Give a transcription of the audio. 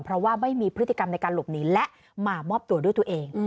เพราะว่าไม่มีพฤติกรรมในการหลบหนีและมามอบตัวด้วยตัวเอง